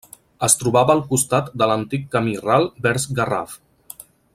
Es trobava al costat de l'antic camí ral vers Garraf.